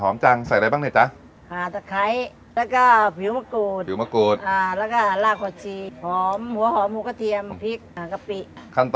หอมจังใส่อะไรบ้างเนี้ยจ้ะ